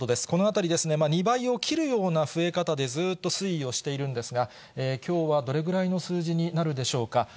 このあたり、２倍を切るような増え方でずっと推移をしているんですが、きょうはどれぐらいの数字になるでしょうか。